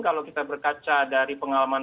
kalau kita berkaca dari pengalaman